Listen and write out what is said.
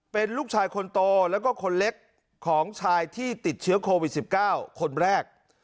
เป็นลูกชายคนโตแล้วก็คนเล็กของชายที่ติดเชื้อโควิด๑๙คนแรก